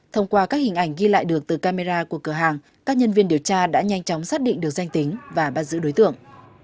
thông qua các hình ảnh ghi lại được từ camera của cửa hàng các nhân viên điều tra đã nhanh chóng xác định được danh tính và bắt giữ đối tượng